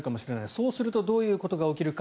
そうするとどういうことが起きるか。